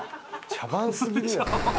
茶番過ぎるやろ。